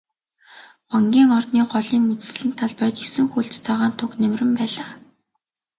Вангийн ордны голын үзэсгэлэнт талбайд есөн хөлт цагаан туг намиран байлаа.